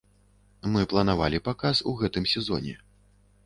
Мы планавалі паказ у гэтым сезоне.